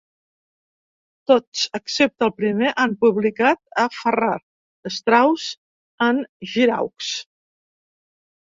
Tots excepte el primer han publicat a Farrar, Straus and Giroux.